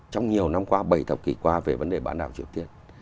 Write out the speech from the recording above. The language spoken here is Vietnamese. trong nhiều năm qua bảy thập kỷ qua về vấn đề bản đảo triều tiên